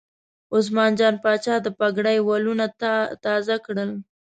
عثمان جان پاچا د پګړۍ ولونه تازه کړل.